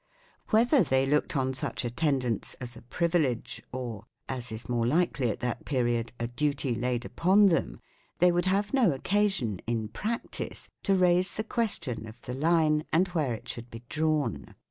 Whether they looked on such attendance as a privilege or as is more likely at that period a duty laid upon them, they would have no occasion in practice to raise the question of the line and where it should be drawn.